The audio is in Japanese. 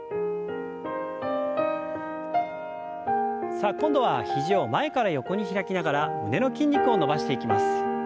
さあ今度は肘を前から横に開きながら胸の筋肉を伸ばしていきます。